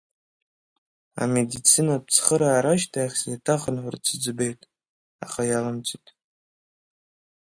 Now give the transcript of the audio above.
Амедицинатә цхыраара ашьҭахь сеиҭахынҳәырц сыӡбеит, аха иалымҵит.